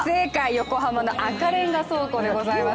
横浜の赤レンガ倉庫でございます。